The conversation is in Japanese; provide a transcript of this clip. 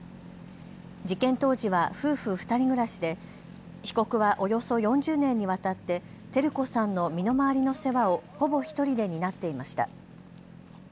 事件当時は夫婦２人暮らしで被告はおよそ４０年にわたって照子さんの身の回りの世話をほぼ１人で担っていました。